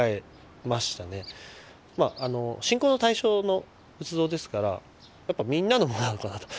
信仰の対象の仏像ですからやっぱみんなのものなのかなと。